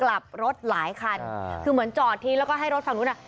กลับรถหลายคันคือเหมือนจอดทิ้งแล้วก็ให้รถฝั่งนู้นอ่ะ